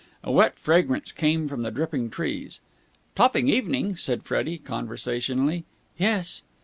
A wet fragrance came from the dripping trees. "Topping evening!" said Freddie conversationally. "Yes."